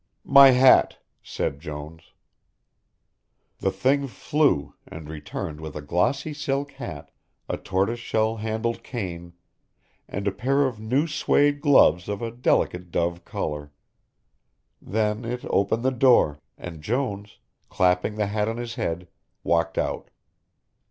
"My hat," said Jones. The thing flew, and returned with a glossy silk hat, a tortoiseshell handled cane, and a pair of new suede gloves of a delicate dove colour. Then it opened the door, and Jones, clapping the hat on his head, walked out.